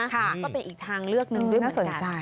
ก็เป็นอีกทางเลือกหนึ่งด้วยไม่สนใจ